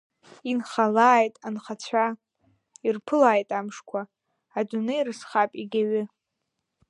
Инхалааит анхацәа, ирԥылааит амшқәа, адунеи рызхап егьаҩы…